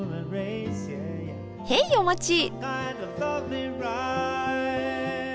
へいお待ち！